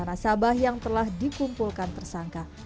sama sabah yang telah dikumpulkan tersangka